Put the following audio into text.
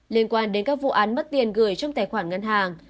liên quan đến các vụ án mất tiền gửi trong tài khoản ngân hàng